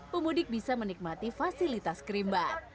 pemudik bisa menikmati fasilitas kerimba